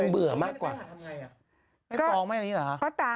เบื่อมากกว่า